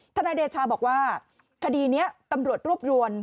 นายเดชาบอกว่าคดีนี้ตำรวจรวบรวม